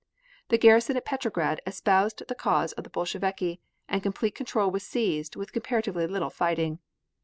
The garrison at Petrograd espoused the cause of the Bolsheviki and complete control was seized with comparatively little fighting.